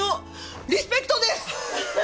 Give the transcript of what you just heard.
リスペクトです！